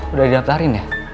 udah didaftarin ya